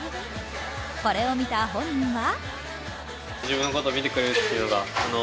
これを見た本人は？